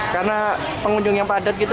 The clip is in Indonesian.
karena pengunjung yang padat gitu